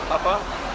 di kram dan baru